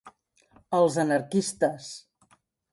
Els anarquistes.